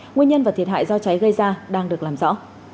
nguyên nhân và thiệt hại do cháy gây ra đang được làm rõ